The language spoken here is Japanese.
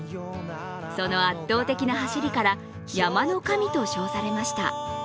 その圧倒的な走りから、山の神と称されました。